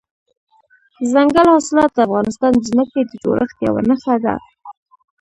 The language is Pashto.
دځنګل حاصلات د افغانستان د ځمکې د جوړښت یوه نښه ده.